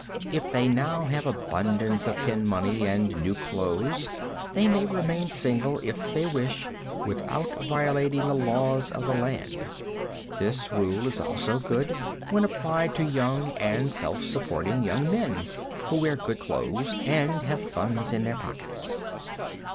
If they now have abundance of pin money and new clothes, they may remain single if they wish without violating the laws of the land. This rule is also good when applied to young and self supporting young men who wear good clothes and have funds in their pockets.